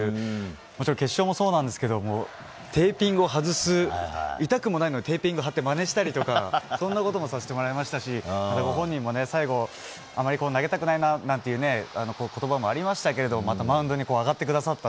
もちろん決勝もそうなんですけどテーピングを外す痛くもないのにテーピングを貼って、まねしたりとかそんなこともさせてもらいましたしご本人も最後あまり投げたくないなという言葉もありましたけどまたマウンドに上がってくださった